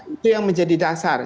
itu yang menjadi dasar